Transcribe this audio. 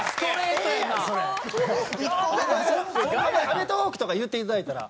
「『アメトーーク』！」とか言っていただいたら。